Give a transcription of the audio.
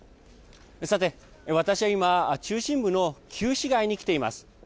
さて、私は今、中心部の旧市街に来ています。